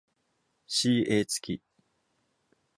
ca 付き。